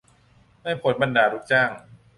ไม่พ้นบรรดาลูกจ้าง